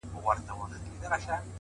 يو ليك،